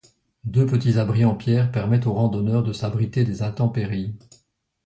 Deux petits abris en pierre permettent aux randonneurs de s'abriter des intempéries.